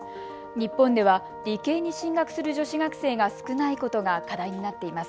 日本では理系に進学する女子学生が少ないことが課題になっています。